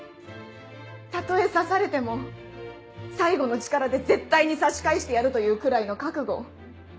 たとえ刺されても最後の力で絶対に刺し返してやるというくらいの覚悟。